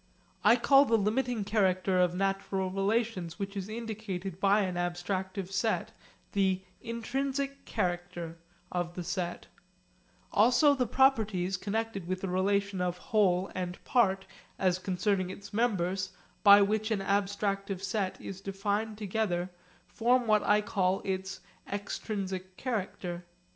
I call the limiting character of natural relations which is indicated by an abstractive set, the 'intrinsic character' of the set; also the properties, connected with the relation of whole and part as concerning its members, by which an abstractive set is defined together form what I call its 'extrinsic character.'